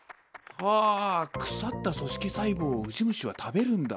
はあ腐った組織細胞をウジ虫は食べるんだ。